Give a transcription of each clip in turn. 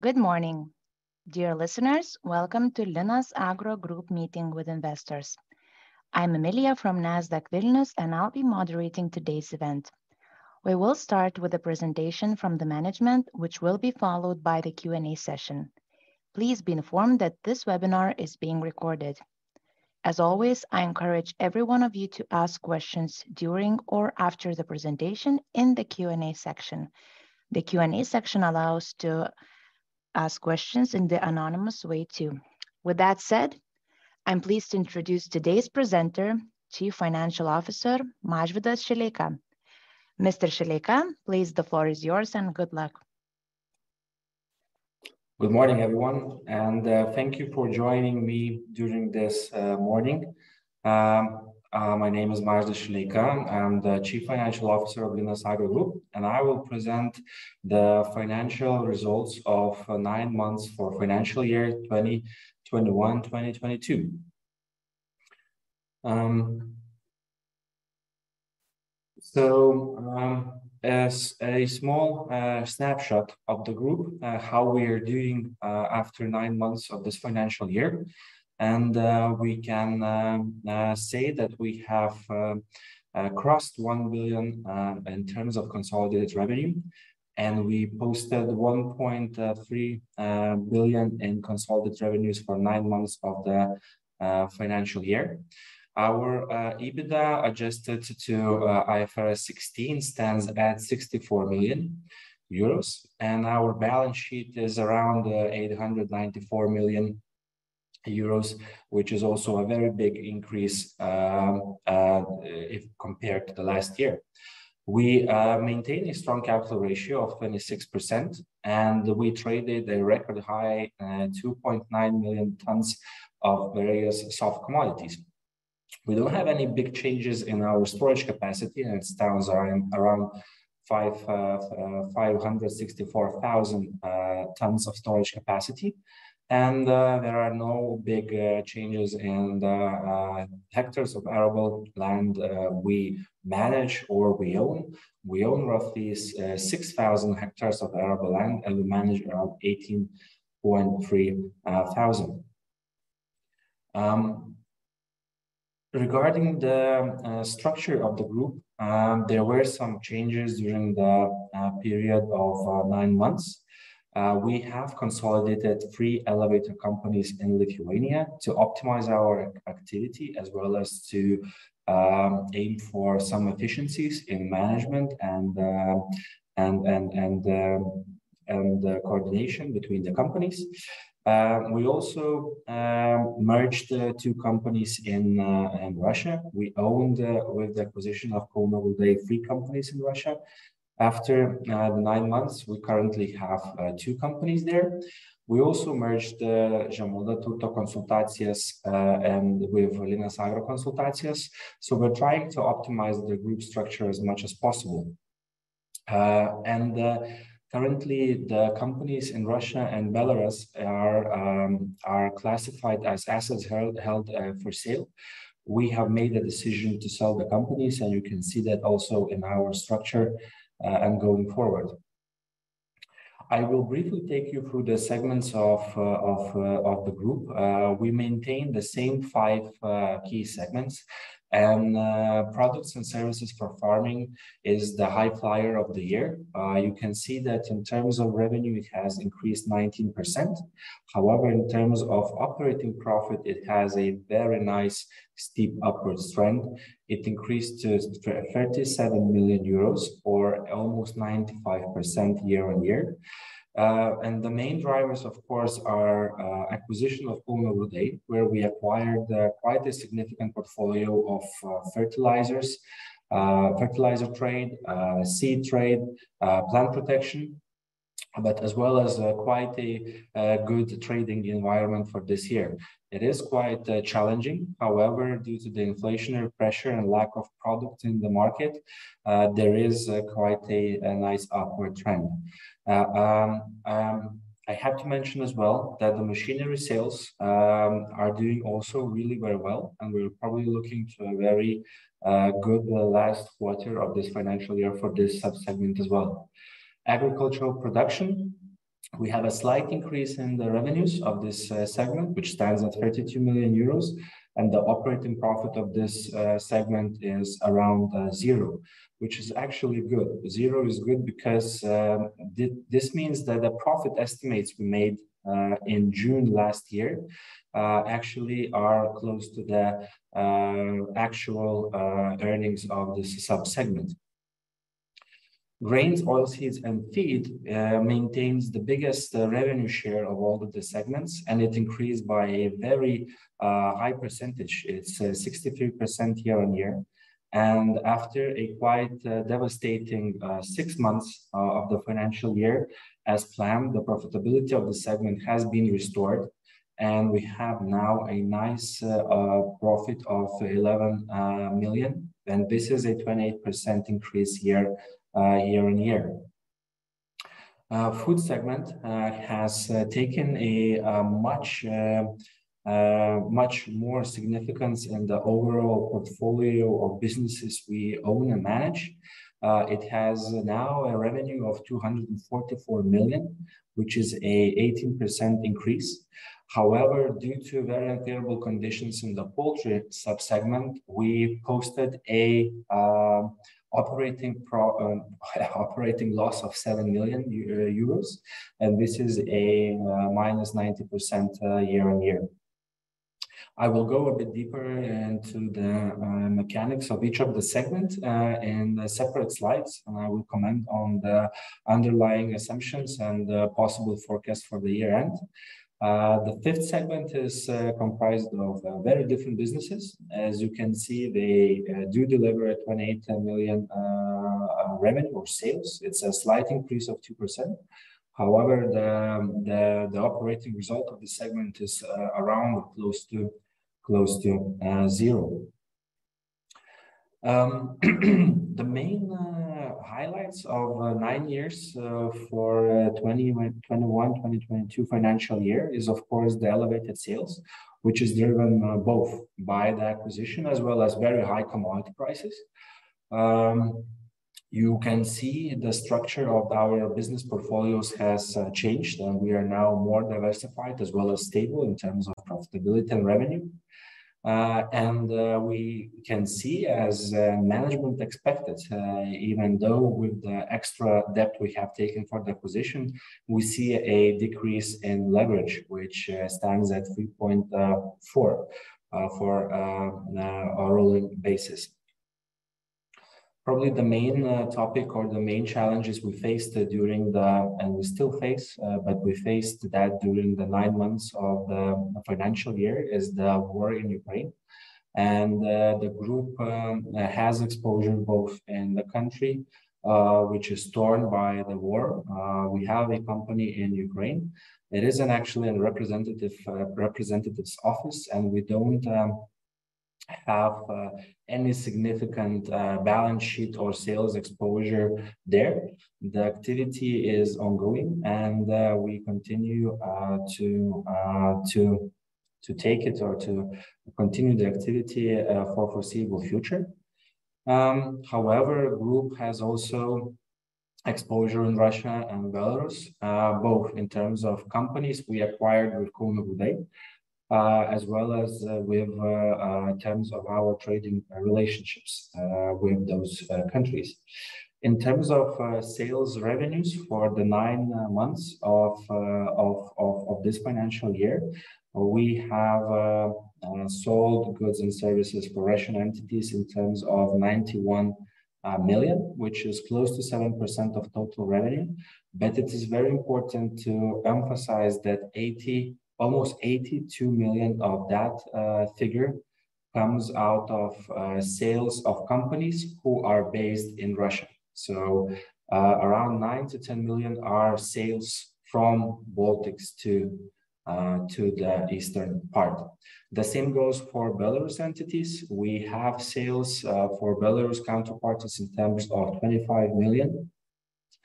Good morning, dear listeners. Welcome to Linas Agro Group meeting with investors. I'm Emilia from Nasdaq Vilnius, and I'll be moderating today's event. We will start with a presentation from the management, which will be followed by the Q&A session. Please be informed that this webinar is being recorded. As always, I encourage every one of you to ask questions during or after the presentation in the Q&A section. The Q&A section allows to ask questions in the anonymous way too. With that said, I'm pleased to introduce today's presenter, Chief Financial Officer Mažvydas Šileika. Mr. Šileika, please, the floor is yours, and good luck. Good morning, everyone, and thank you for joining me during this morning. My name is Mažvydas Šileika. I'm the Chief Financial Officer of Linas Agro Group, and I will present the financial results of nine months for financial year 2021/2022. As a small snapshot of the group, how we are doing after nine months of this financial year, we can say that we have crossed 1 billion in terms of consolidated revenue, and we posted 1.3 billion in consolidated revenues for nine months of the financial year. Our EBITDA adjusted to IFRS 16 stands at 64 million euros, and our balance sheet is around 894 million euros, which is also a very big increase if compared to the last year. We maintain a strong capital ratio of 26%, and we traded a record high 2.9 million tons of various soft commodities. We don't have any big changes in our storage capacity, and it stands around 564,000 tons of storage capacity. There are no big changes in the hectares of arable land we manage or we own. We own roughly 6,000 hectares of arable land, and we manage around 18.3 thousand. Regarding the structure of the group, there were some changes during the period of nine months. We have consolidated three elevator companies in Lithuania to optimize our activity as well as to aim for some efficiencies in management and coordination between the companies. We also merged two companies in Russia. We owned, with the acquisition of KG Group, three companies in Russia. After nine months, we currently have two companies there. We also merged the Žemaitijos Turto Konsultacijos and with Linas Agro Konsultacijos. We're trying to optimize the group structure as much as possible. Currently the companies in Russia and Belarus are classified as assets held for sale. We have made a decision to sell the companies, and you can see that also in our structure, and going forward. I will briefly take you through the segments of the group. We maintain the same five key segments, and products and services for farming is the high flyer of the year. You can see that in terms of revenue, it has increased 19%. However, in terms of operating profit, it has a very nice steep upwards trend. It increased to 37 million euros or almost 95% year-on-year. The main drivers, of course, are acquisition of Kauno Grūdai, where we acquired quite a significant portfolio of fertilizers, fertilizer trade, seed trade, plant protection, but as well as quite a good trading environment for this year. It is quite challenging. However, due to the inflationary pressure and lack of product in the market, there is quite a nice upward trend. I have to mention as well that the machinery sales are doing also really very well, and we're probably looking to a very good last quarter of this financial year for this sub-segment as well. Agricultural production, we have a slight increase in the revenues of this segment, which stands at 32 million euros, and the operating profit of this segment is around zero, which is actually good. Zero is good because this means that the profit estimates we made in June last year actually are close to the actual earnings of this sub-segment. Grains, oilseeds, and feed maintains the biggest revenue share of all of the segments, and it increased by a very high percentage. It's 63% year-on-year. After a quite devastating six months of the financial year, as planned, the profitability of the segment has been restored, and we have now a nice profit of 11 million, and this is a 28% increase year-on-year. Food segment has taken a much more significance in the overall portfolio of businesses we own and manage. It has now a revenue of 244 million, which is an 18% increase. However, due to very unfavorable conditions in the poultry sub-segment, we posted an operating pro... Operating loss of 7 million euros, and this is a -90% year-over-year. I will go a bit deeper into the mechanics of each of the segments in separate slides, and I will comment on the underlying assumptions and the possible forecast for the year-end. The fifth segment is comprised of very different businesses. As you can see, they do deliver 28 million revenue or sales. It's a slight increase of 2%. However, the operating result of this segment is around close to zero. The main highlights of 2021 for the 2022 financial year is, of course, the elevated sales, which is driven both by the acquisition as well as very high commodity prices. You can see the structure of our business portfolios has changed, and we are now more diversified as well as stable in terms of profitability and revenue. We can see, as management expected, even though with the extra debt we have taken for the acquisition, we see a decrease in leverage, which stands at 3.4x for our rolling basis. Probably the main topic or the main challenges we faced, and we still face, but we faced that during the nine months of the financial year is the war in Ukraine. The group has exposure both in the country, which is torn by the war. We have a company in Ukraine. It is actually a representative's office, and we don't have any significant balance sheet or sales exposure there. The activity is ongoing, and we continue to take it or to continue the activity for foreseeable future. However, the group has also exposure in Russia and Belarus, both in terms of companies we acquired with KG Group, as well as in terms of our trading relationships with those countries. In terms of sales revenues for the nine months of this financial year, we have sold goods and services for Russian entities in terms of 91 million, which is close to 7% of total revenue. It is very important to emphasize that eighty. Almost 82 million of that figure comes out of sales of companies who are based in Russia. Around 9 million-10 million are sales from Baltics to the eastern part. The same goes for Belarus entities. We have sales for Belarus counterparties in terms of 25 million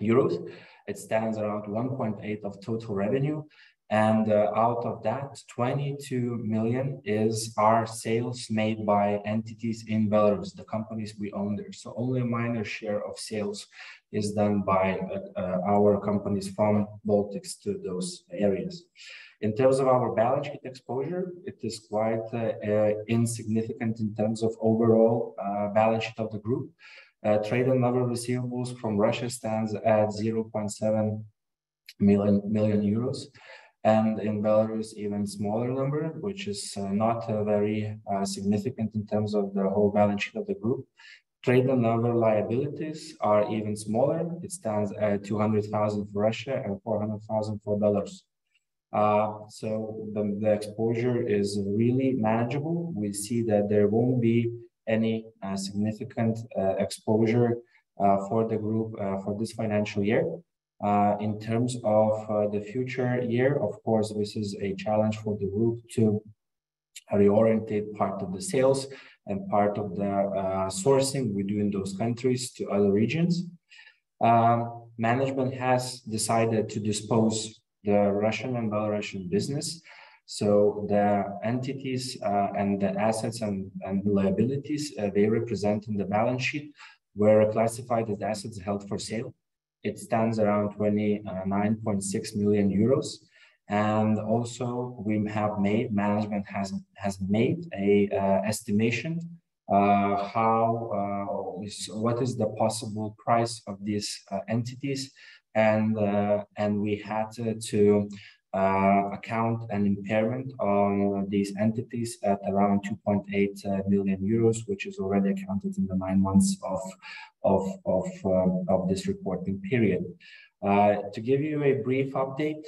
euros. It stands around 1.8% of total revenue, and out of that, 22 million is our sales made by entities in Belarus, the companies we own there. Only a minor share of sales is done by our companies from Baltics to those areas. In terms of our balance sheet exposure, it is quite insignificant in terms of overall balance sheet of the group. Trade and other receivables from Russia stands at 0.7 million euros, and in Belarus, even smaller number, which is not very significant in terms of the whole balance sheet of the group. Trade and other liabilities are even smaller. It stands at 200,000 for Russia and 400,000 for Belarus. The exposure is really manageable. We see that there won't be any significant exposure for the group for this financial year. In terms of the future year, of course, this is a challenge for the group to reorientate part of the sales and part of the sourcing we do in those countries to other regions. Management has decided to dispose the Russian and Belarusian business, so the entities and the assets and liabilities they represent in the balance sheet were classified as assets held for sale. It stands around 29.6 million euros. Also we have made management has made a estimation how or what is the possible price of these entities. We had to account an impairment on these entities at around 2.8 million euros, which is already accounted in the nine months of this reporting period. To give you a brief update,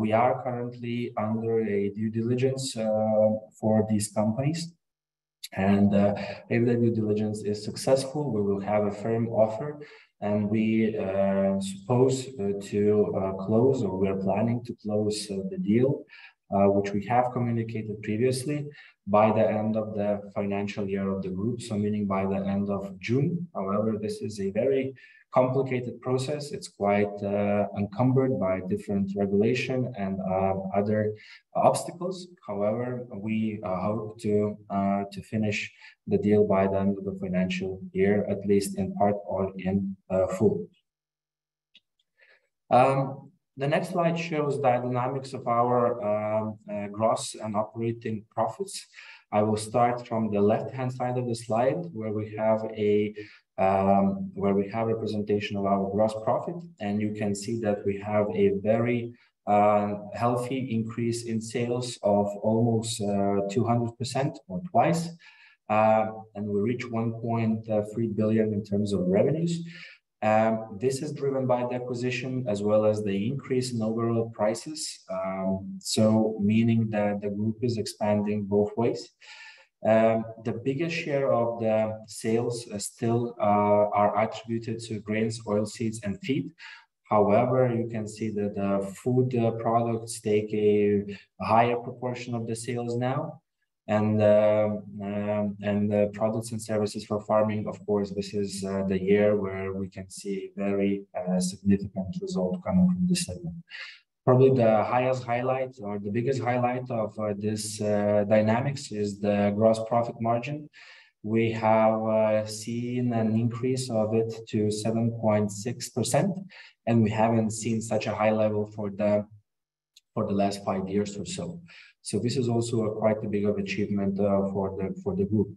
we are currently under a due diligence for these companies. If the due diligence is successful, we will have a firm offer, and we supposed to close, or we are planning to close the deal, which we have communicated previously by the end of the financial year of the group, so meaning by the end of June. However, this is a very complicated process. It's quite encumbered by different regulation and other obstacles. However, we hope to finish the deal by the end of the financial year, at least in part or in full. The next slide shows the dynamics of our gross and operating profits. I will start from the left-hand side of the slide, where we have a representation of our gross profit, and you can see that we have a very healthy increase in sales of almost 200% or twice. We reach 1.3 billion in terms of revenues. This is driven by the acquisition as well as the increase in overall prices. Meaning that the group is expanding both ways. The biggest share of the sales are still attributed to grains, oilseeds, and feed. However, you can see that food products take a higher proportion of the sales now and the products and services for farming. Of course, this is the year where we can see very significant result coming from this segment. Probably the highest highlight or the biggest highlight of this dynamics is the gross profit margin. We have seen an increase of it to 7.6%, and we haven't seen such a high level for the last five years or so. This is also quite a bit of achievement for the group.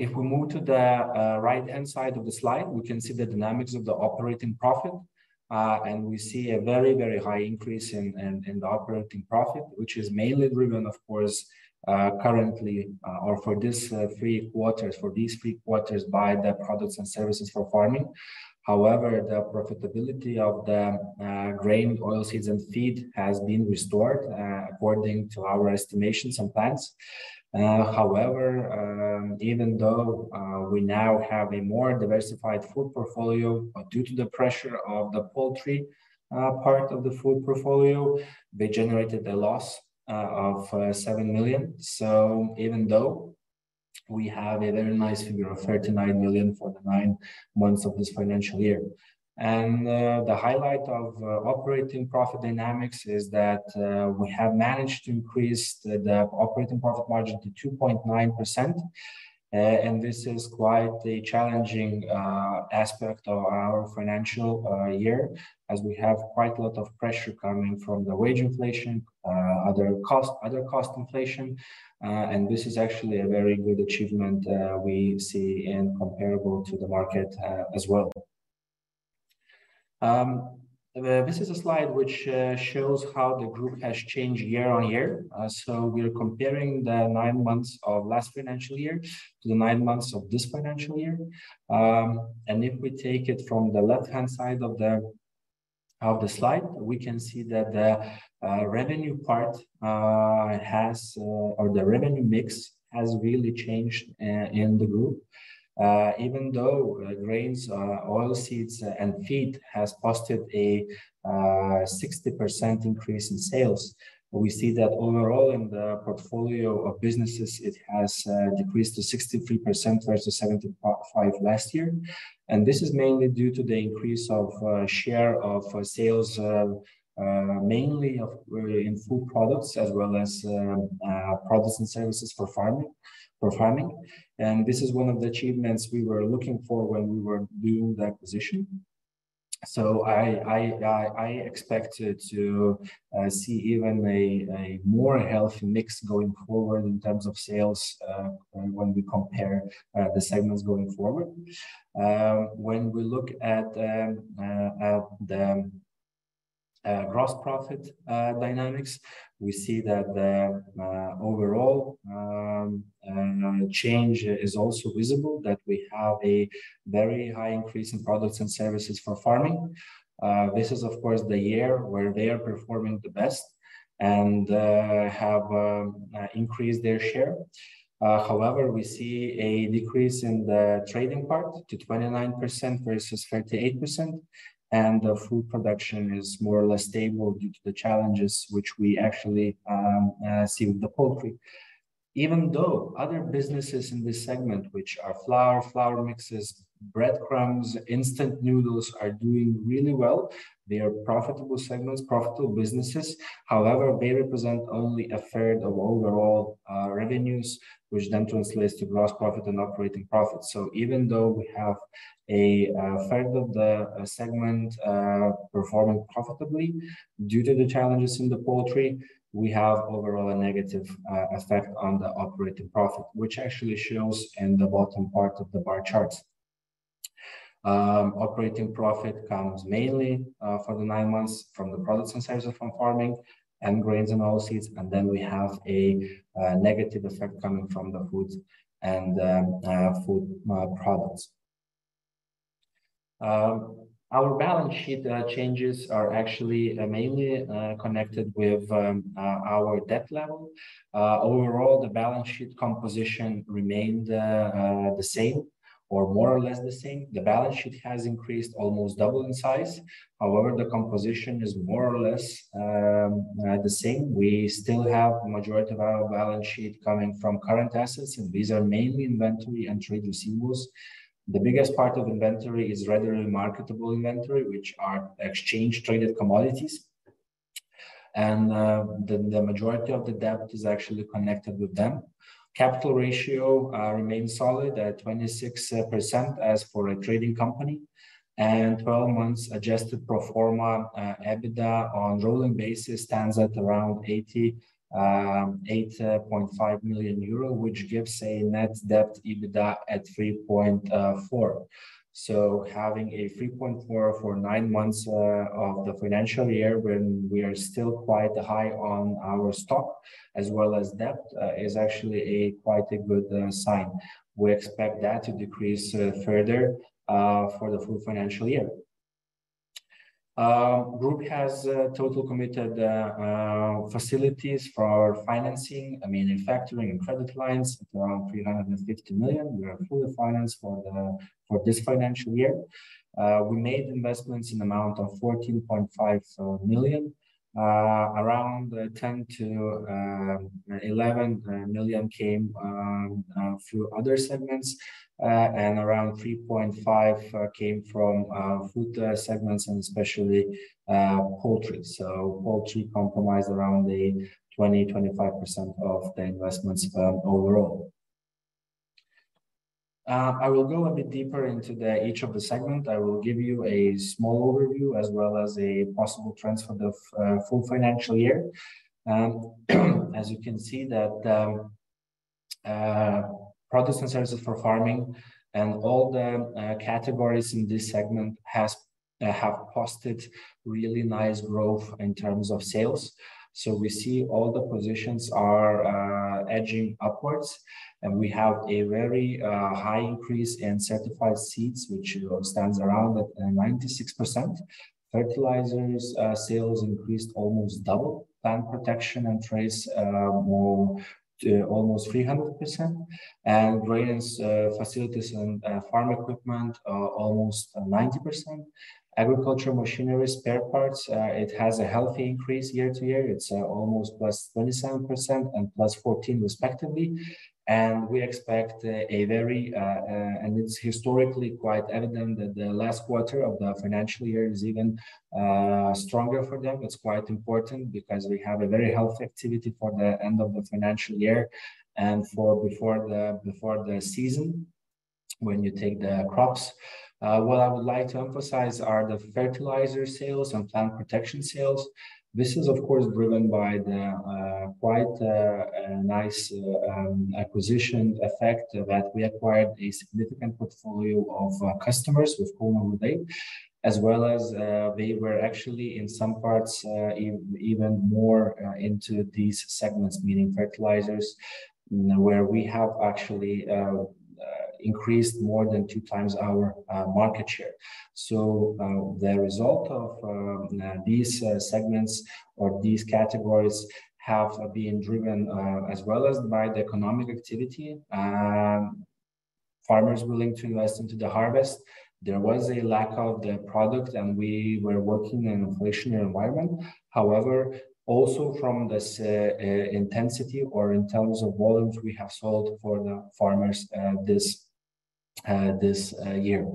If we move to the right-hand side of the slide, we can see the dynamics of the operating profit and we see a very high increase in the operating profit, which is mainly driven, of course, currently or for these three quarters by the products and services for farming. However, the profitability of the grain, oilseeds, and feed has been restored according to our estimations and plans. However, even though we now have a more diversified food portfolio due to the pressure of the poultry part of the food portfolio, they generated a loss of 7 million. Even though we have a very nice figure of 39 million for the nine months of this financial year. The highlight of operating profit dynamics is that we have managed to increase the operating profit margin to 2.9%. This is quite a challenging aspect of our financial year as we have quite a lot of pressure coming from the wage inflation, other cost inflation. This is actually a very good achievement we see and comparable to the market as well. This is a slide which shows how the group has changed year-on-year. We are comparing the nine months of last financial year to the nine months of this financial year. If we take it from the left-hand side of the slide, we can see that the revenue part or the revenue mix has really changed in the group. Even though grains, oilseeds, and feed has posted a 60% increase in sales. We see that overall in the portfolio of businesses, it has decreased to 63% versus 75% last year. This is mainly due to the increase of share of sales mainly in food products as well as products and services for farming. This is one of the achievements we were looking for when we were doing the acquisition. I expected to see even a more healthy mix going forward in terms of sales, when we compare the segments going forward. When we look at the gross profit dynamics, we see that the overall change is also visible, that we have a very high increase in products and services for farming. This is of course the year where they are performing the best and have increased their share. However, we see a decrease in the trading part to 29% versus 38%, and the food production is more or less stable due to the challenges which we actually see with the poultry. Even though other businesses in this segment, which are flour mixes, breadcrumbs, instant noodles, are doing really well, they are profitable segments, profitable businesses. However, they represent only a third of overall revenues, which then translates to gross profit and operating profits. Even though we have a third of the segment performing profitably, due to the challenges in the poultry, we have overall a negative effect on the operating profit, which actually shows in the bottom part of the bar charts. Operating profit comes mainly for the nine months from the products and services from farming and grains and oilseeds, and then we have a negative effect coming from the foods and food products. Our balance sheet changes are actually mainly connected with our debt level. Overall, the balance sheet composition remained the same or more or less the same. The balance sheet has increased almost double in size. However, the composition is more or less the same. We still have a majority of our balance sheet coming from current assets, and these are mainly inventory and trade receivables. The biggest part of inventory is readily marketable inventory, which are exchange-traded commodities and the majority of the debt is actually connected with them. Capital ratio remains solid at 26% as for a trading company and 12 months adjusted pro forma EBITDA on rolling basis stands at around 88.5 million euro, which gives a net debt EBITDA at 3.4. Having a 3.4% for nine months of the financial year when we are still quite high on our stock as well as debt is actually quite a good sign. We expect that to decrease further for the full financial year. Group has total committed facilities for financing, I mean, in factoring and credit lines at around 350 million. We are fully financed for this financial year. We made investments in amount of 14.5 million. Around 10-11 million came through other segments, and around 3.5 million came from food segments and especially poultry. Poultry comprises around a 20-25% of the investments overall. I will go a bit deeper into each of the segments. I will give you a small overview as well as a possible picture of full financial year. As you can see that products and services for farming and all the categories in this segment have posted really nice growth in terms of sales. We see all the positions are edging upwards, and we have a very high increase in certified seeds, which stands around at 96%. Fertilizers sales increased almost double. Plant protection and traits more to almost 300%. Grains facilities and farm equipment almost 90%. Agricultural machinery spare parts it has a healthy increase year-over-year. It's almost +27% and +14% respectively. It's historically quite evident that the last quarter of the financial year is even stronger for them. It's quite important because we have a very healthy activity for the end of the financial year and for before the season when you take the crops. What I would like to emphasize are the fertilizer sales and plant protection sales. This is of course driven by the quite nice acquisition effect that we acquired a significant portfolio of customers with Kauno Grūdai, as well as they were actually in some parts even more into these segments, meaning fertilizers, where we have actually increased more than two times our market share. The result of these segments or these categories have been driven as well as by the economic activity. Farmers willing to invest into the harvest, there was a lack of the product, and we were working in an inflationary environment. However, also from this intensity or in terms of volumes we have sold for the farmers this year. You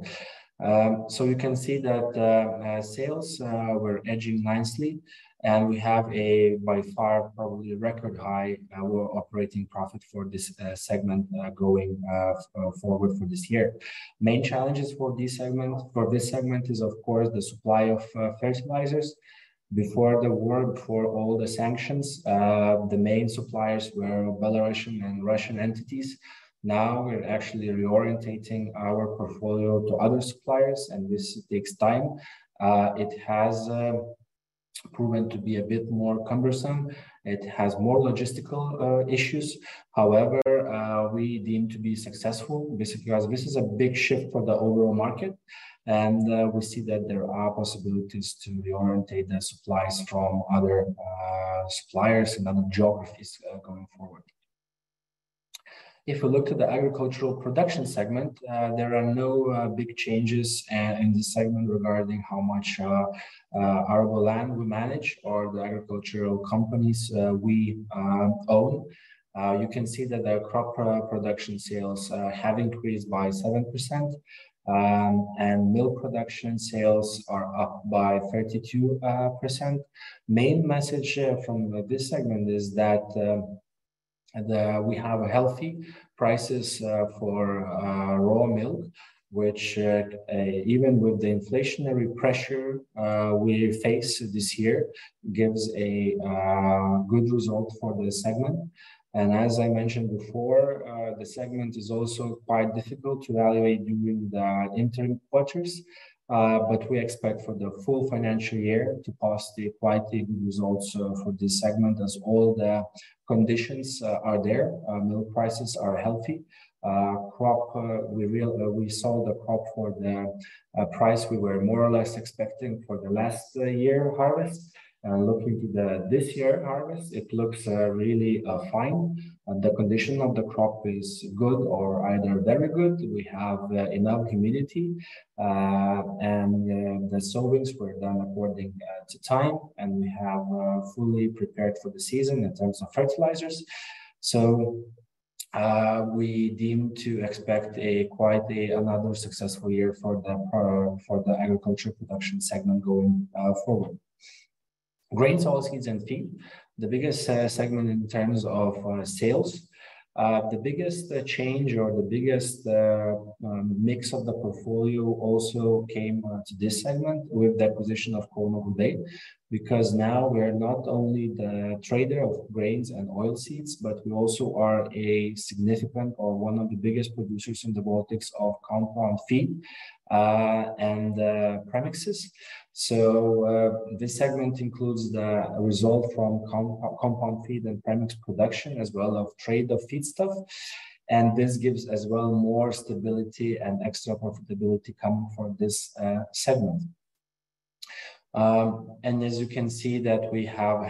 can see that sales were edging nicely, and we have by far probably record high operating profit for this segment going forward for this year. Main challenges for this segment is of course the supply of fertilizers. Before the war, before all the sanctions, the main suppliers were Belarusian and Russian entities. Now we're actually reorienting our portfolio to other suppliers, and this takes time. It has proven to be a bit more cumbersome. It has more logistical issues. However, we deem to be successful basically as this is a big shift for the overall market, and we see that there are possibilities to reorienting the supplies from other suppliers and other geographies going forward. If we look to the agricultural production segment, there are no big changes in this segment regarding how much arable land we manage or the agricultural companies we own. You can see that the crop production sales have increased by 7%, and milk production sales are up by 32%. Main message from this segment is that we have healthy prices for raw milk, which even with the inflationary pressure we face this year gives a good result for this segment. As I mentioned before, the segment is also quite difficult to evaluate during the interim quarters, but we expect for the full financial year to post a quite good results for this segment as all the conditions are there. Milk prices are healthy. We sold the crop for the price we were more or less expecting for the last year harvest. Looking to the this year harvest, it looks really fine. The condition of the crop is good or either very good. We have enough humidity and the sowings were done according to time, and we have fully prepared for the season in terms of fertilizers. We deem to expect quite another successful year for the agriculture production segment going forward. Grains, oilseeds, and feed, the biggest segment in terms of sales. The biggest change or the biggest mix of the portfolio also came to this segment with the acquisition of Kauno Grūdai because now we're not only the trader of grains and oilseeds, but we also are a significant or one of the biggest producers in the Baltics of compound feed and premixes. This segment includes the result from compound feed and premix production as well as trade of feedstuff, and this gives as well more stability and extra profitability coming from this segment. As you can see that we have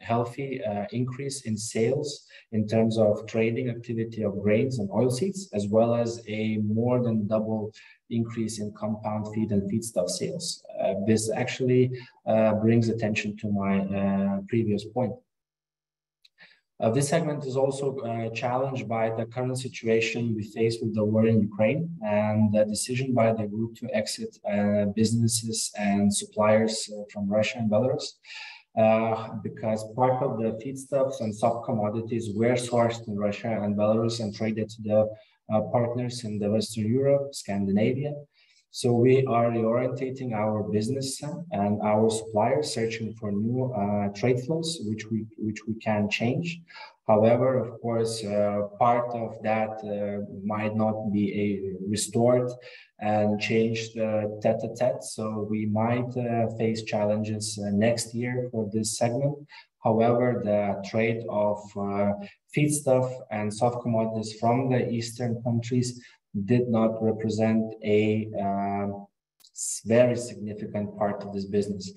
healthy increase in sales in terms of trading activity of grains and oilseeds as well as a more than double increase in compound feed and feedstuff sales. This actually brings attention to my previous point. This segment is also challenged by the current situation we face with the war in Ukraine and the decision by the group to exit businesses and suppliers from Russia and Belarus because part of the feedstuffs and soft commodities were sourced in Russia and Belarus and traded to the partners in Western Europe, Scandinavia. We are reorienting our business and our suppliers searching for new trade flows which we can change. However, of course, part of that might not be restored and change the tit-for-tat, so we might face challenges next year for this segment. However, the trade of feedstuff and soft commodities from the eastern countries did not represent a very significant part of this business.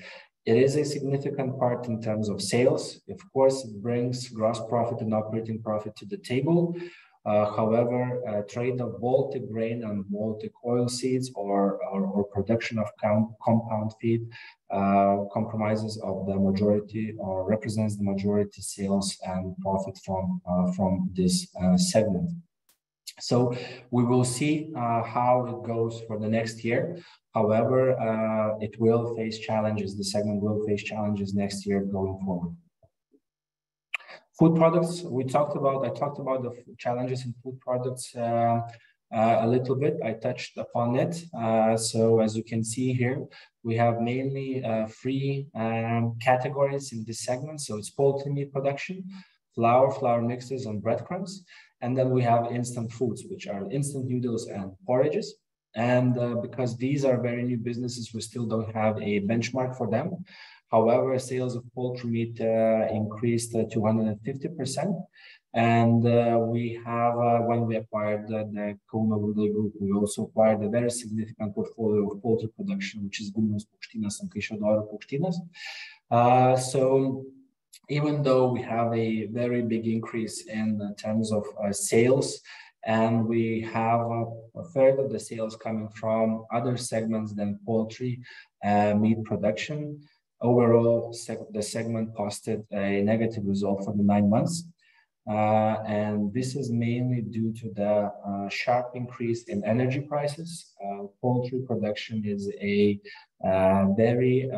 It is a significant part in terms of sales. Of course, it brings gross profit and operating profit to the table. However, trade of Baltic grain and Baltic oilseeds or production of compound feed comprises the majority or represents the majority sales and profit from this segment. We will see how it goes for the next year. However, it will face challenges. The segment will face challenges next year going forward. Food products, we talked about. I talked about the challenges in food products a little bit. I touched upon it. As you can see here, we have mainly three categories in this segment. It's poultry meat production, flour mixes, and breadcrumbs, and then we have instant foods, which are instant noodles and porridges. Because these are very new businesses, we still don't have a benchmark for them. However, sales of poultry meat increased to 150%. When we acquired the KG Group, we also acquired a very significant portfolio of poultry production, which is Vilniaus Paukštynas and Kaišiadorių Paukštynas. Even though we have a very big increase in terms of our sales, and we have a third of the sales coming from other segments than poultry meat production, overall the segment posted a negative result for the nine months. This is mainly due to the sharp increase in energy prices. Poultry production is a very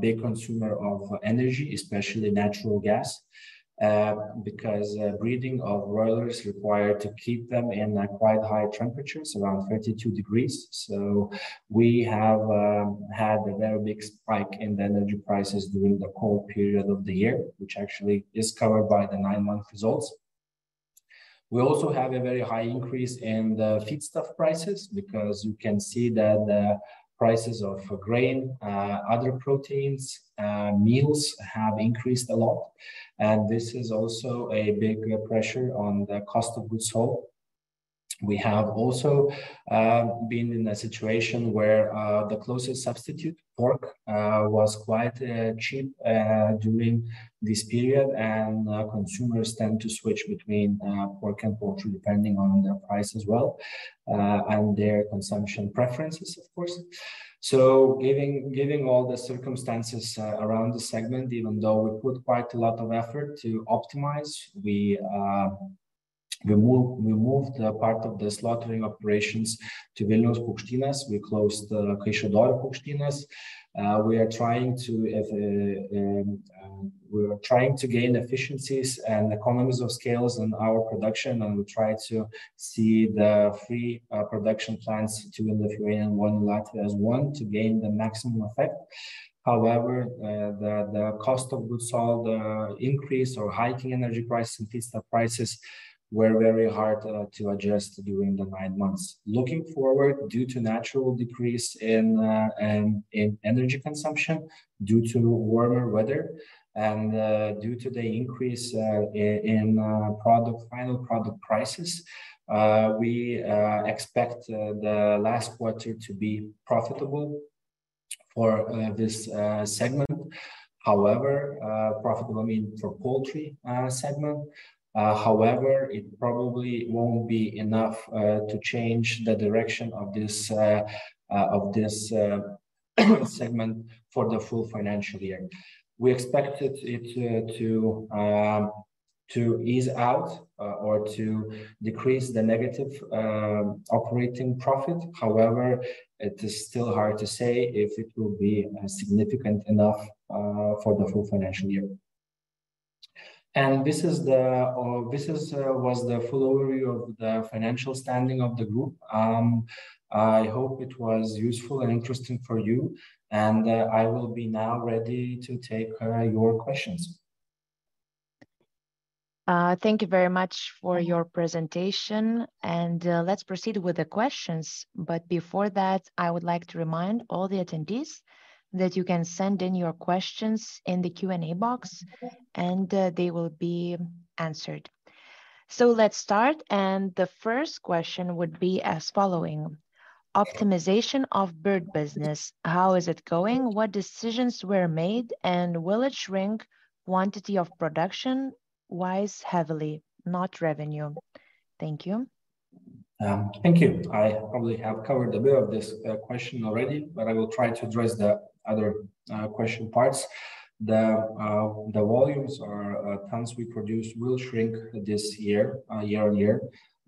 big consumer of energy, especially natural gas, because breeding of broilers require to keep them in quite high temperatures, around 32 degrees. We have had a very big spike in the energy prices during the cold period of the year, which actually is covered by the nine-month results. We also have a very high increase in the feedstuff prices because you can see that the prices of grain, other proteins, meals have increased a lot, and this is also a big pressure on the cost of goods sold. We have also been in a situation where the closest substitute, pork, was quite cheap during this period, and consumers tend to switch between pork and poultry depending on the price as well, and their consumption preferences, of course. Giving all the circumstances around the segment, even though we put quite a lot of effort to optimize, we moved a part of the slaughtering operations to Vilniaus Paukštynas. We closed the Krešų Dvaras Paukštynas. We are trying to have. We are trying to gain efficiencies and economies of scale in our production, and we try to see the three production plants, two in Lithuania and one in Latvia as one to gain the maximum effect. However, the cost of goods sold increase or hiking energy prices and feedstuff prices were very hard to adjust during the nine months. Looking forward, due to natural decrease in energy consumption due to warmer weather and due to the increase in final product prices, we expect the last quarter to be profitable for this segment. However, profitable, I mean, for poultry segment. However, it probably won't be enough to change the direction of this segment for the full financial year. We expected it to ease out or to decrease the negative operating profit. However, it is still hard to say if it will be significant enough for the full financial year. This was the full overview of the financial standing of the group. I hope it was useful and interesting for you, and I will be now ready to take your questions. Thank you very much for your presentation, and let's proceed with the questions. I would like to remind all the attendees that you can send in your questions in the Q&A box- Okay they will be answered. Let's start, and the first question would be as following. Optimization of bird business, how is it going? What decisions were made, and will it shrink quantity of production wise heavily, not revenue? Thank you. Thank you. I probably have covered a bit of this question already, but I will try to address the other question parts. The volumes or tons we produce will shrink this year-over-year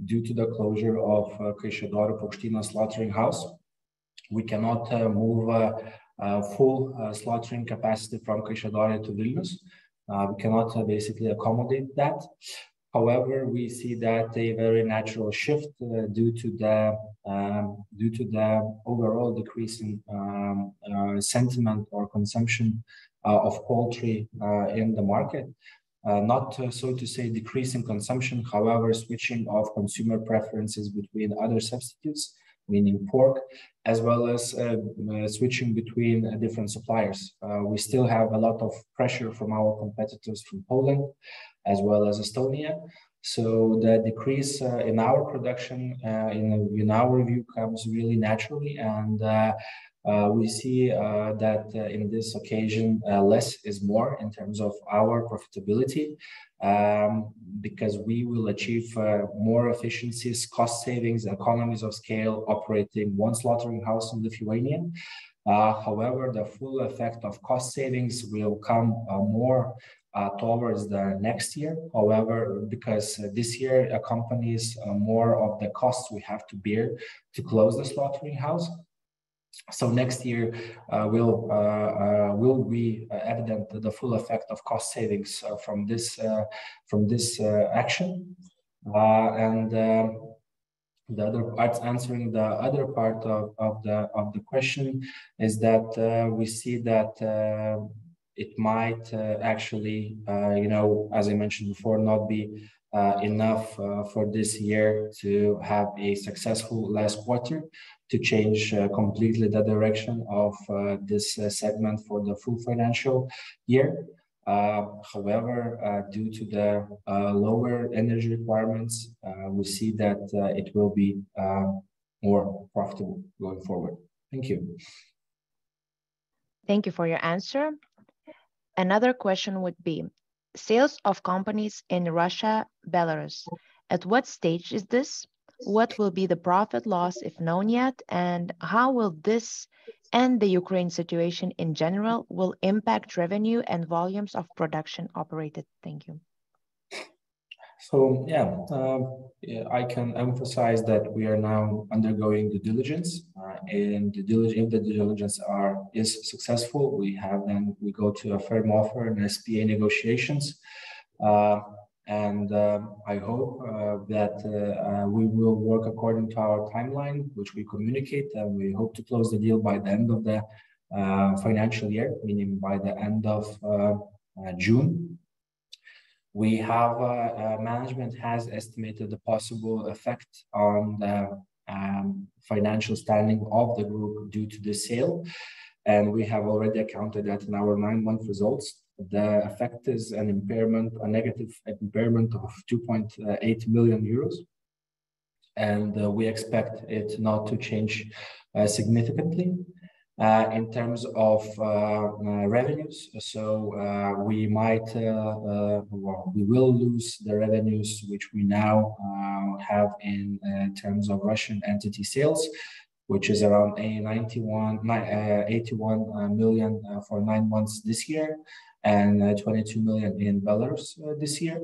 due to the closure of Kaišiadorių slaughtering house. We cannot move full slaughtering capacity from Kaišiadorių to Vilnius. We cannot basically accommodate that. However, we see that a very natural shift due to the overall decrease in sentiment or consumption of poultry in the market. Not so to say decrease in consumption, however, switching of consumer preferences between other substitutes, meaning pork, as well as switching between different suppliers. We still have a lot of pressure from our competitors from Poland as well as Estonia. The decrease in our production, in our view, comes really naturally and we see that, in this occasion, less is more in terms of our profitability, because we will achieve more efficiencies, cost savings, economies of scale operating one slaughterhouse in Lithuania. However, the full effect of cost savings will come more towards the next year. However, because this year we have more of the costs we have to bear to close the slaughterhouse. Next year will be evident the full effect of cost savings from this action. The other part. Answering the other part of the question is that, we see that it might actually, you know, as I mentioned before, not be enough for this year to have a successful last quarter to change completely the direction of this segment for the full financial year. However, due to the lower energy requirements, we see that it will be more profitable going forward. Thank you. Thank you for your answer. Another question would be sales of companies in Russia, Belarus, at what stage is this? What will be the profit loss, if known yet, and how will this and the Ukraine situation in general will impact revenue and volumes of production operated? Thank you. Yeah, I can emphasize that we are now undergoing due diligence. If the diligence is successful, we go to a firm offer and SPA negotiations. I hope that we will work according to our timeline, which we communicate, and we hope to close the deal by the end of the financial year, meaning by the end of June. Management has estimated the possible effect on the financial standing of the group due to the sale, and we have already accounted that in our nine-month results. The effect is an impairment, a negative impairment of 2.8 million euros, and we expect it not to change significantly. In terms of revenues, we might, well, we will lose the revenues which we now have in terms of Russian entity sales, which is around 81 million for nine months this year and 22 million in Belarus this year.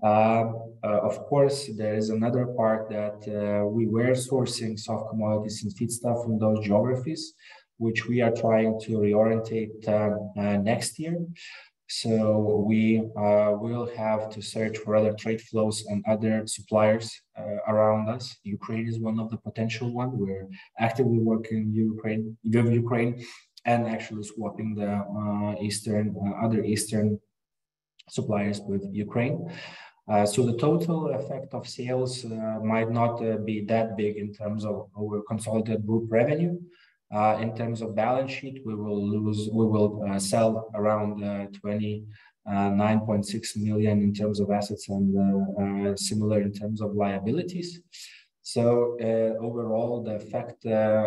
Of course, there is another part that we were sourcing soft commodities and feedstock from those geographies, which we are trying to reorient next year. We will have to search for other trade flows and other suppliers around us. Ukraine is one of the potential one. We're actively working with Ukraine and actually swapping the other eastern suppliers with Ukraine. The total effect of sales might not be that big in terms of our consolidated group revenue. In terms of balance sheet, we will sell around 29.6 million in terms of assets and similar in terms of liabilities. Overall, the effect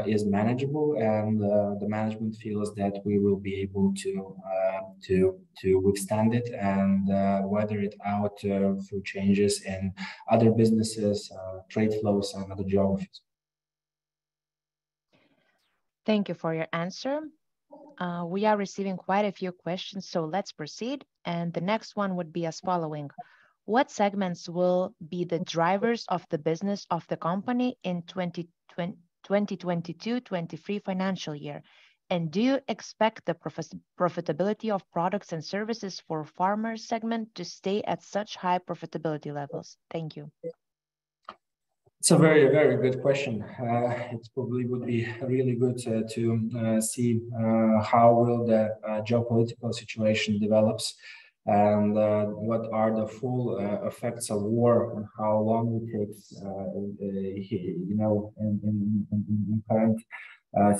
is manageable, and the management feels that we will be able to to withstand it and weather it out through changes in other businesses, trade flows and other geographies. Thank you for your answer. We are receiving quite a few questions, so let's proceed. The next one would be as follows: What segments will be the drivers of the business of the company in 2022, 2023 financial year? Do you expect the profitability of products and services for farmers segment to stay at such high profitability levels? Thank you It's a very, very good question. It probably would be really good to see how will the geopolitical situation develops, and what are the full effects of war and how long it takes, you know, in current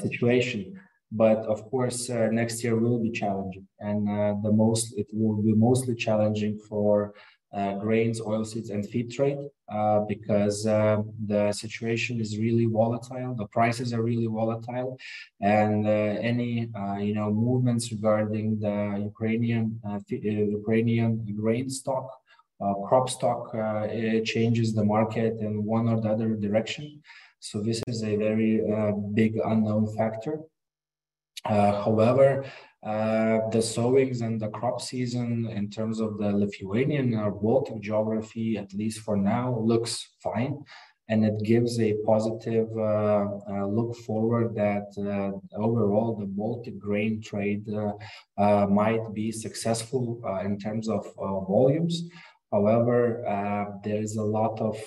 situation. Of course, next year will be challenging. It will be mostly challenging for grains, oilseeds, and feed trade, because the situation is really volatile. The prices are really volatile. Any you know movements regarding the Ukrainian grain stock, crop stock, it changes the market in one or the other direction. This is a very big unknown factor. However, the sowings and the crop season in terms of the Lithuanian or Baltic geography, at least for now, looks fine, and it gives a positive outlook that overall, the Baltic grain trade might be successful in terms of volumes. However, there is a lot of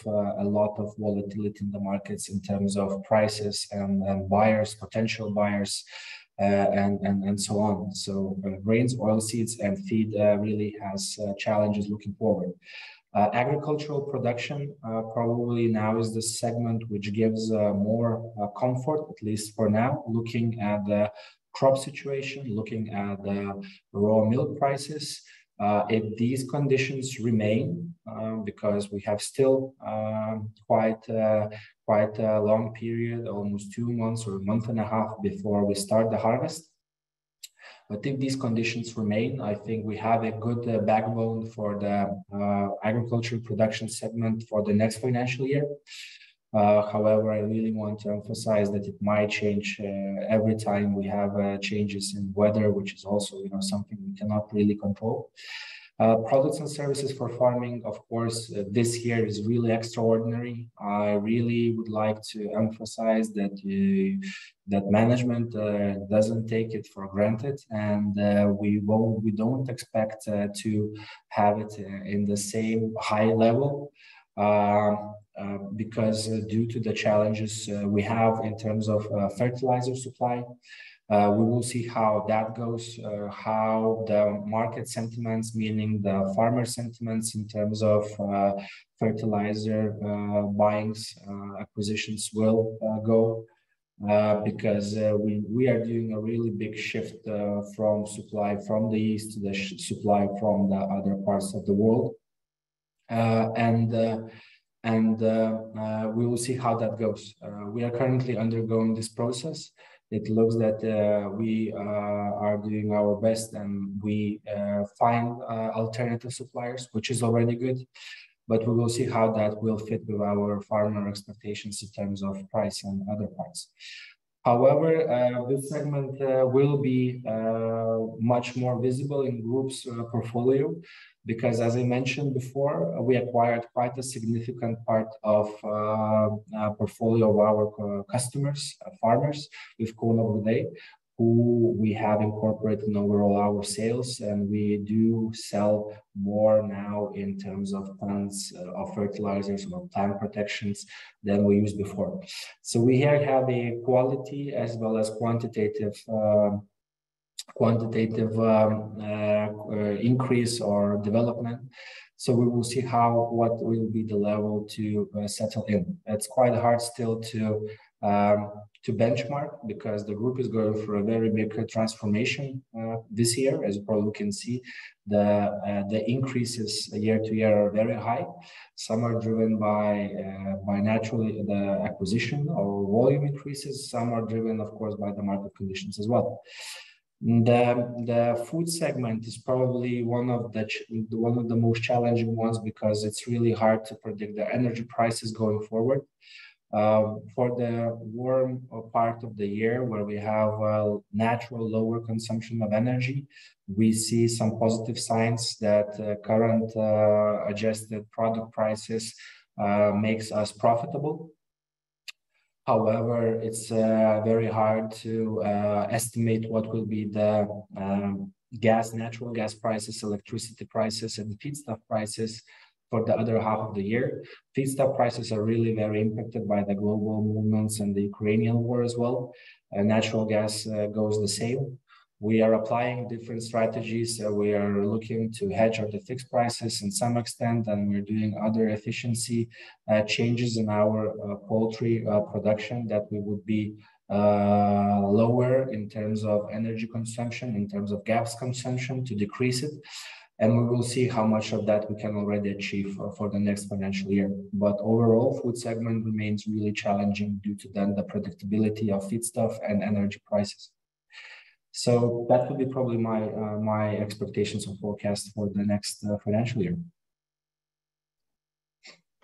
volatility in the markets in terms of prices and buyers, potential buyers, and so on. Grains, oilseeds, and feed really has challenges looking forward. Agricultural production probably now is the segment which gives more comfort, at least for now, looking at the crop situation, looking at the raw milk prices. If these conditions remain, because we have still quite a long period, almost two months or a month and a half before we start the harvest. I think these conditions remain. I think we have a good backbone for the agriculture production segment for the next financial year. However, I really want to emphasize that it might change every time we have changes in weather, which is also, you know, something we cannot really control. Products and services for farming, of course, this year is really extraordinary. I really would like to emphasize that management doesn't take it for granted, and we don't expect to have it in the same high level because due to the challenges we have in terms of fertilizer supply. We will see how that goes, how the market sentiments, meaning the farmer sentiments in terms of fertilizer buying, acquisitions will go, because we are doing a really big shift from supply from the east to the supply from the other parts of the world. We will see how that goes. We are currently undergoing this process. It looks that we are doing our best, and we find alternative suppliers, which is already good. We will see how that will fit with our farmer expectations in terms of price and other parts. However, this segment will be much more visible in group's portfolio because as I mentioned before, we acquired quite a significant part of portfolio of our customers, farmers with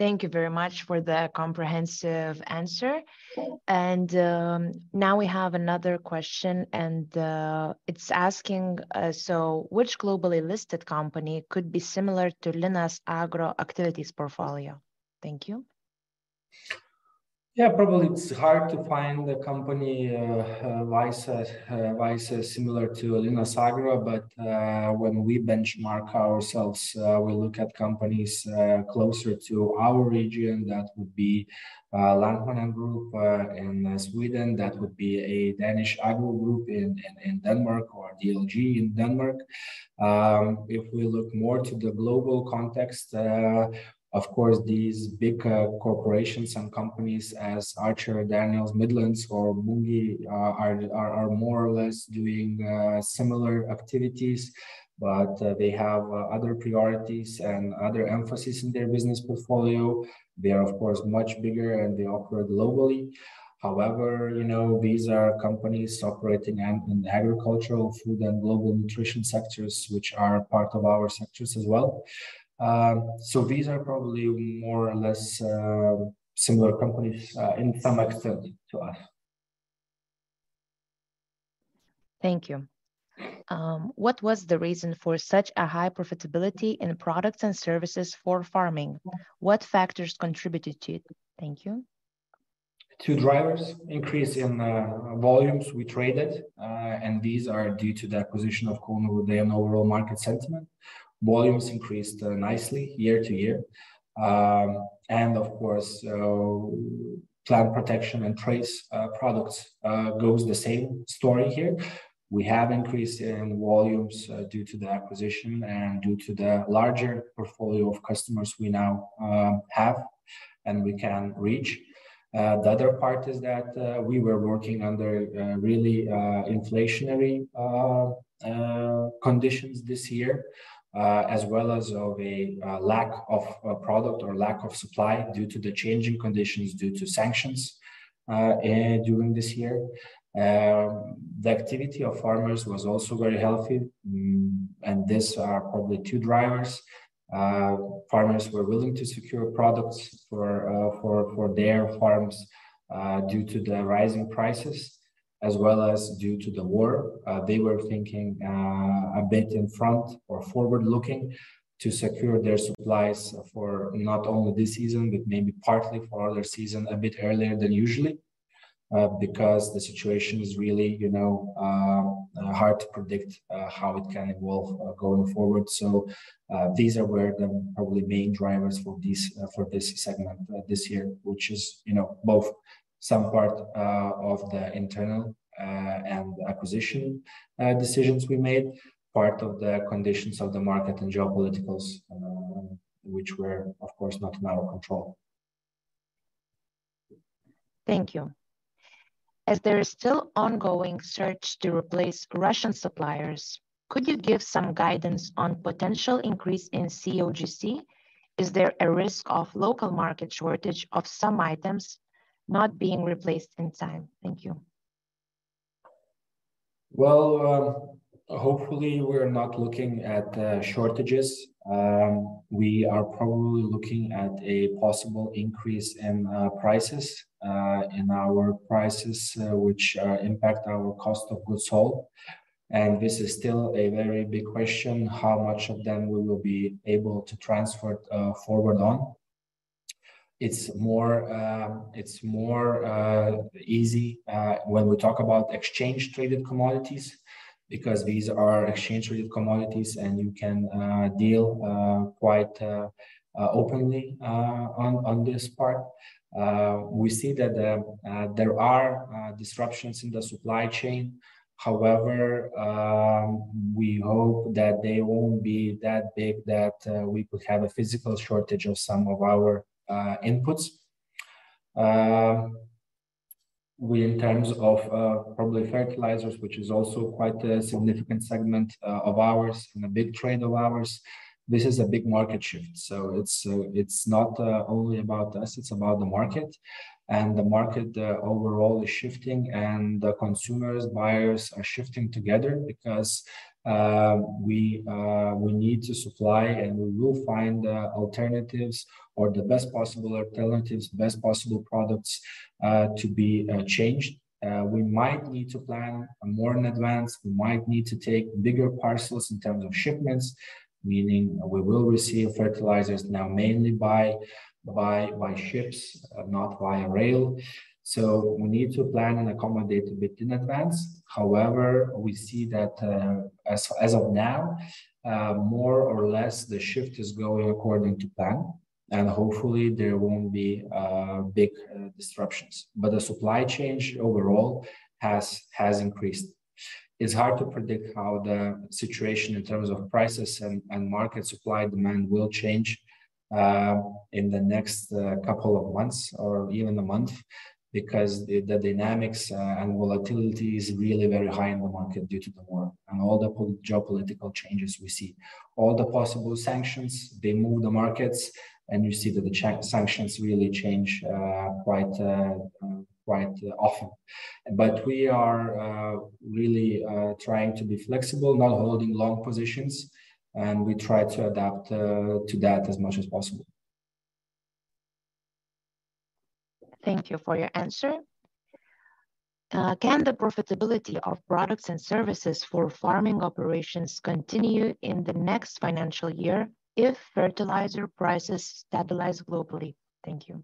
Thank you very much for the comprehensive answer. Okay. Now we have another question, and it's asking, "So which globally listed company could be similar to Linas Agro activities portfolio?" Thank you. Yeah. Probably it's hard to find the company very similar to Linas Agro. When we benchmark ourselves, we look at companies closer to our region that would be Lantmännen Group in Sweden, that would be Danish Agro Group in Denmark or DLG in Denmark. If we look more to the global context, of course, these big corporations and companies as Archer-Daniels-Midland or Bunge are more or less doing similar activities, but they have other priorities and other emphasis in their business portfolio. They are of course much bigger, and they operate globally. However, you know, these are companies operating in agricultural food and global nutrition sectors, which are part of our sectors as well. These are probably more or less similar companies to some extent to us. Thank you. What was the reason for such a high profitability in products and services for farming? What factors contributed to it? Thank you. Two drivers increase in volumes we traded, and these are due to the acquisition of KG Group and overall market sentiment. Volumes increased nicely year-over-year. Of course, plant protection and traits products goes the same story here. We have increase in volumes due to the acquisition and due to the larger portfolio of customers we now have and we can reach. The other part is that we were working under really inflationary conditions this year, as well as of a lack of a product or lack of supply due to the changing conditions due to sanctions during this year. The activity of farmers was also very healthy, and these are probably two drivers. Farmers were willing to secure products for their farms due to the rising prices as well as due to the war. They were thinking a bit in front or forward-looking to secure their supplies for not only this season, but maybe partly for other season a bit earlier than usually because the situation is really, you know, hard to predict how it can evolve going forward. These are where the probably main drivers for this for this segment this year, which is, you know, both some part of the internal and acquisition decisions we made, part of the conditions of the market and geopolitics, which were of course not in our control. Thank you. As there is still ongoing search to replace Russian suppliers, could you give some guidance on potential increase in COGS? Is there a risk of local market shortage of some items not being replaced in time? Thank you. Well, hopefully we're not looking at shortages. We are probably looking at a possible increase in prices in our prices which impact our cost of goods sold. This is still a very big question, how much of them we will be able to transfer forward on. It's more easy when we talk about exchange-traded commodities because these are exchange-traded commodities and you can deal quite openly on this part. We see that there are disruptions in the supply chain. However, we hope that they won't be that big that we could have a physical shortage of some of our inputs. In terms of probably fertilizers, which is also quite a significant segment of ours and a big trade of ours. This is a big market shift. It's not only about us, it's about the market. The market overall is shifting, and the consumers, buyers are shifting together because we need to supply, and we will find alternatives or the best possible alternatives, best possible products to be changed. We might need to plan more in advance. We might need to take bigger parcels in terms of shipments, meaning we will receive fertilizers now mainly by ships, not via rail. We need to plan and accommodate a bit in advance. However, we see that, as of now, more or less the shift is going according to plan, and hopefully there won't be big disruptions. The supply chain overall has increased. It's hard to predict how the situation in terms of prices and market supply and demand will change in the next couple of months or even a month because the dynamics and volatility is really very high in the market due to the war and all the geopolitical changes we see. All the possible sanctions, they move the markets and you see that the sanctions really change quite often. We are really trying to be flexible, not holding long positions, and we try to adapt to that as much as possible. Thank you for your answer. Can the profitability of products and services for farming operations continue in the next financial year if fertilizer prices stabilize globally? Thank you.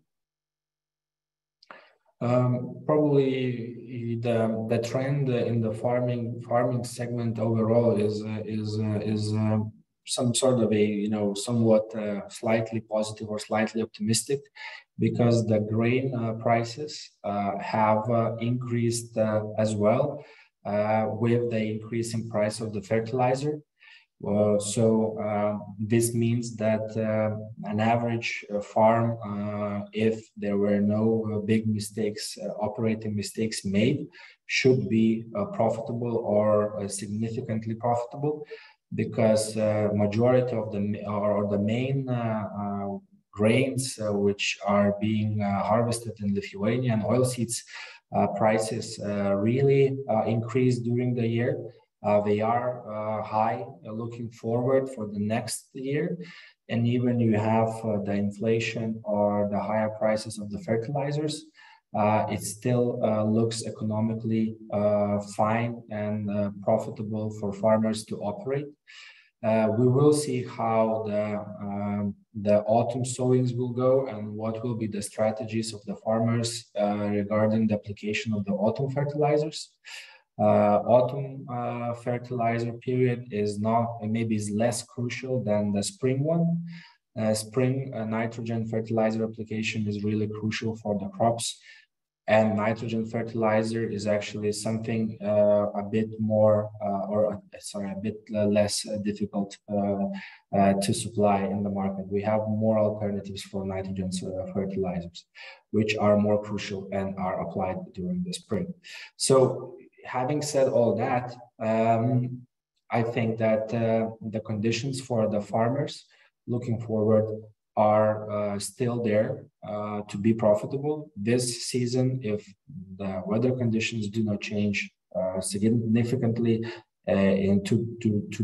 Probably the trend in the farming segment overall is somewhat slightly positive or slightly optimistic because the grain prices have increased as well with the increasing price of the fertilizer. This means that an average farm, if there were no big mistakes operating mistakes made, should be profitable or significantly profitable because majority of the main grains which are being harvested in Lithuania and oil seeds prices really increased during the year. They are high looking forward for the next year. Even if you have the inflation or the higher prices of the fertilizers, it still looks economically fine and profitable for farmers to operate. We will see how the autumn sowings will go and what will be the strategies of the farmers regarding the application of the autumn fertilizers. Autumn fertilizer period maybe is less crucial than the spring one. Spring nitrogen fertilizer application is really crucial for the crops. Nitrogen fertilizer is actually something a bit less difficult to supply in the market. We have more alternatives for nitrogen fertilizers, which are more crucial and are applied during the spring. Having said all that, I think that the conditions for the farmers looking forward are still there to be profitable this season if the weather conditions do not change significantly into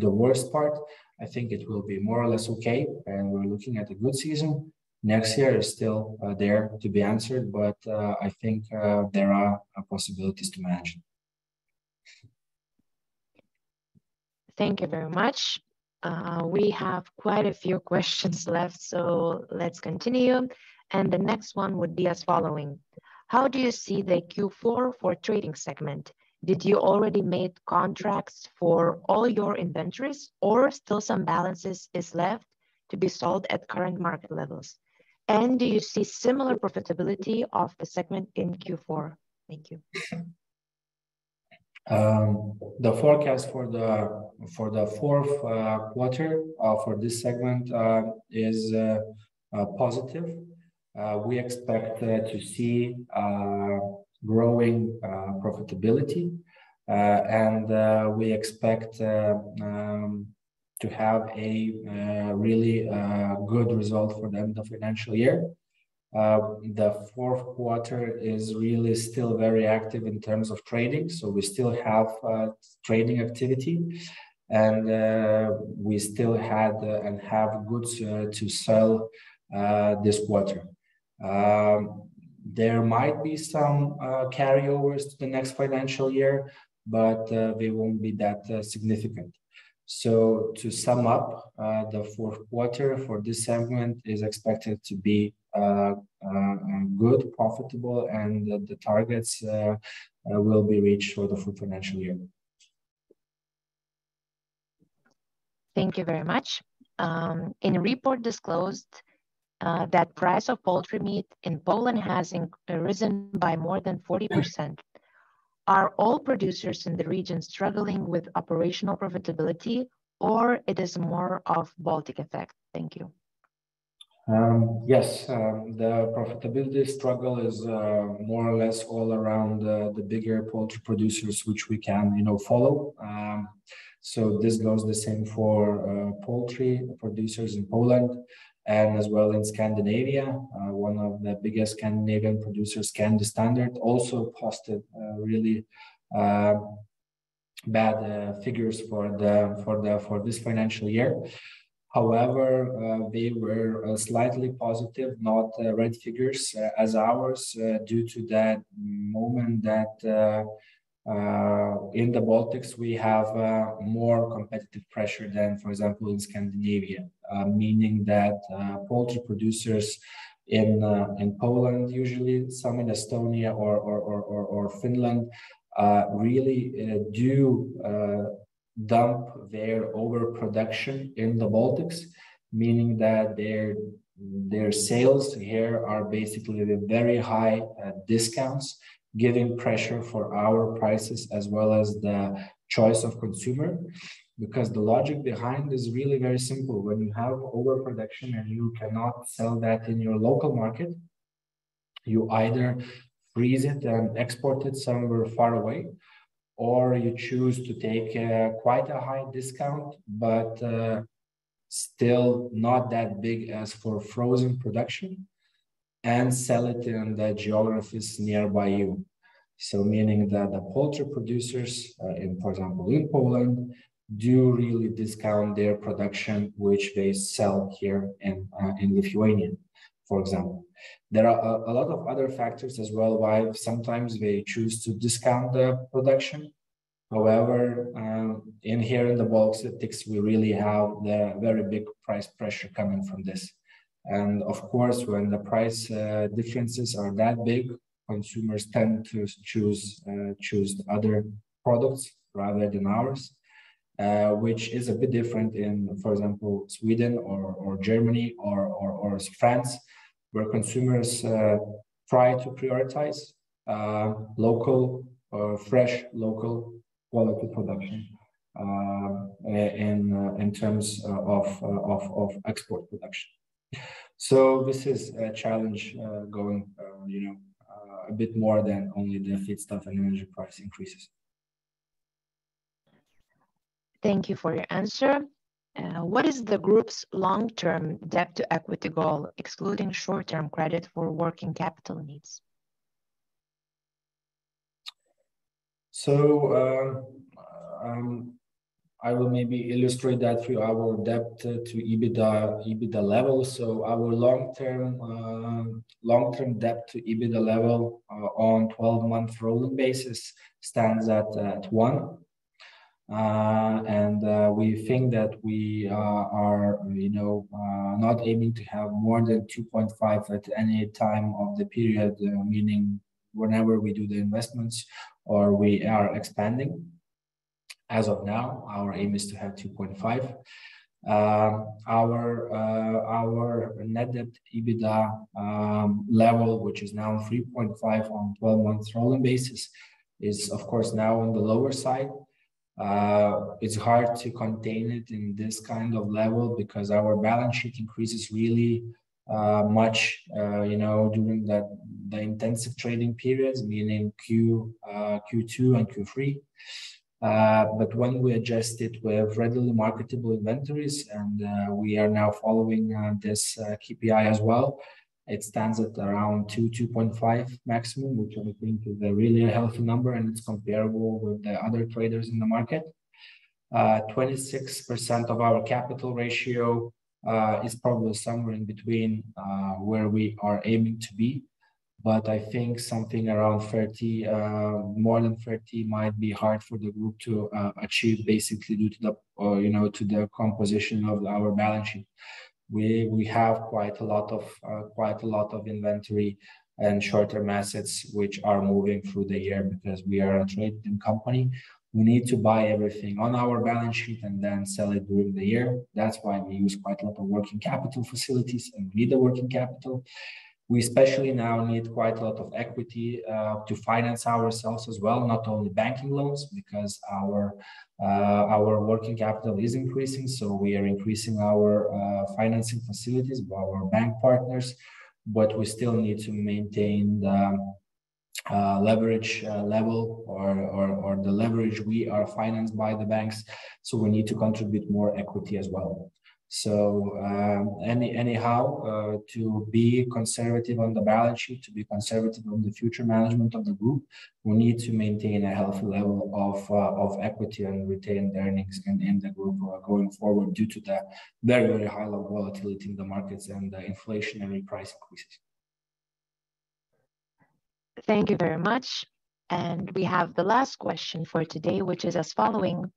the worst part. I think it will be more or less okay, and we're looking at a good season. Next year is still there to be answered, but I think there are possibilities to manage. Thank you very much. We have quite a few questions left, so let's continue. The next one would be as following: How do you see the Q4 for trading segment? Did you already made contracts for all your inventories or still some balances is left to be sold at current market levels? And do you see similar profitability of the segment in Q4? Thank you. The forecast for the fourth quarter for this segment is positive. We expect to see growing profitability and we expect to have a really good result for the end of financial year. The fourth quarter is really still very active in terms of trading, so we still have trading activity and we still had and have goods to sell this quarter. There might be some carryovers to the next financial year, but they won't be that significant. To sum up, the fourth quarter for this segment is expected to be good, profitable, and the targets will be reached for the full financial year. Thank you very much. In the report disclosed that the price of poultry meat in Poland has risen by more than 40%. Are all producers in the region struggling with operational profitability or is it more of a Baltic effect? Thank you. Yes. The profitability struggle is more or less all around the bigger poultry producers, which we can, you know, follow. This goes the same for poultry producers in Poland and as well in Scandinavia. One of the biggest Scandinavian producers, Scandi Standard, also posted really bad figures for this financial year. However, they were slightly positive, not red figures as ours due to that moment that in the Baltics we have more competitive pressure than, for example, in Scandinavia. Meaning that poultry producers in Poland usually some in Estonia or Finland really do dump their overproduction in the Baltics, meaning that their sales here are basically the very high discounts, giving pressure for our prices as well as the choice of consumer. Because the logic behind is really very simple. When you have overproduction and you cannot sell that in your local market, you either freeze it and export it somewhere far away, or you choose to take quite a high discount, but still not that big as for frozen production, and sell it in the geographies nearby you. Meaning that the poultry producers, for example, in Poland do really discount their production, which they sell here in Lithuania, for example. There are a lot of other factors as well why sometimes they choose to discount the production. However, in the Baltics, we really have very big price pressure coming from this. Of course, when the price differences are that big, consumers tend to choose other products rather than ours. Which is a bit different in, for example, Sweden or Germany or France, where consumers try to prioritize local or fresh local quality production in terms of export production. This is a challenge going, you know, a bit more than only the feedstock and energy price increases. Thank you for your answer. What is the group's long-term debt to equity goal, excluding short-term credit for working capital needs? I will maybe illustrate that through our debt to EBITDA levels. Our long-term debt to EBITDA level on 12-month rolling basis stands at one. We think that we are, you know, not aiming to have more than 2.5 at any time of the period, meaning whenever we do the investments or we are expanding. As of now, our aim is to have 2.5. Our net debt EBITDA level, which is now 3.5 on 12-month rolling basis, is of course now on the lower side. It's hard to contain it in this kind of level because our balance sheet increases really much, you know, during the intensive trading periods, meaning Q2 and Q3. When we adjust it with readily marketable inventories and we are now following this KPI as well, it stands at around 2.5 maximum, which I think is really a healthy number, and it's comparable with the other traders in the market. 26% of our capital ratio is probably somewhere in between where we are aiming to be. I think something around 30, more than 30 might be hard for the group to achieve basically due to you know, to the composition of our balance sheet. We have quite a lot of inventory and short-term assets which are moving through the year because we are a trading company. We need to buy everything on our balance sheet and then sell it during the year. That's why we use quite a lot of working capital facilities and need the working capital. We especially now need quite a lot of equity to finance ourselves as well, not only banking loans, because our working capital is increasing, so we are increasing our financing facilities with our bank partners. We still need to maintain the leverage level or the leverage we are financed by the banks. We need to contribute more equity as well. Anyhow, to be conservative on the balance sheet, to be conservative on the future management of the group, we need to maintain a healthy level of equity and retained earnings in the group going forward due to the very, very high level volatility in the markets and the inflationary price increases. Thank you very much. We have the last question for today, which is as following.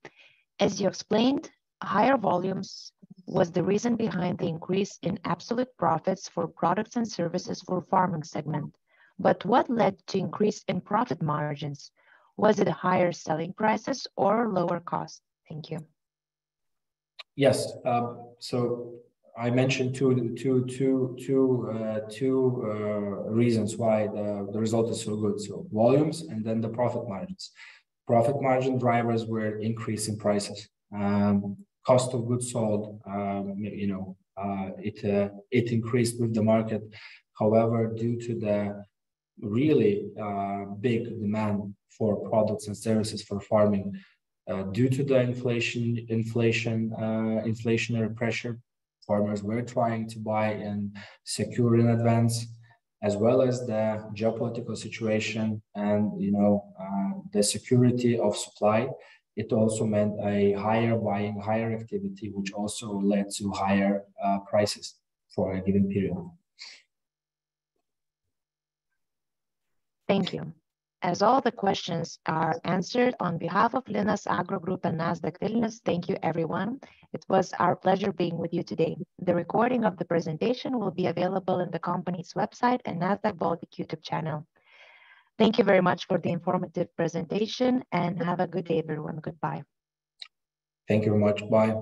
As you explained, higher volumes was the reason behind the increase in absolute profits for products and services for farming segment. What led to increase in profit margins? Was it higher selling prices or lower cost? Thank you. Yes. I mentioned two reasons why the result is so good. Volumes and then the profit margins. Profit margin drivers were increase in prices. Cost of goods sold, you know, it increased with the market. However, due to the really big demand for products and services for farming, due to the inflation, inflationary pressure, farmers were trying to buy and secure in advance, as well as the geopolitical situation and, you know, the security of supply. It also meant a higher buying, higher activity, which also led to higher prices for a given period. Thank you. As all the questions are answered, on behalf of Linas Agro Group and Nasdaq Vilnius, thank you everyone. It was our pleasure being with you today. The recording of the presentation will be available on the company's website and Nasdaq Baltic YouTube channel. Thank you very much for the informative presentation, and have a good day everyone. Goodbye. Thank you very much. Bye.